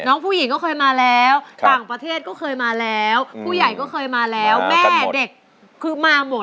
น้องผู้หญิงก็เคยมาแล้วต่างประเทศก็เคยมาแล้วผู้ใหญ่ก็เคยมาแล้วแม่เด็กคือมาหมด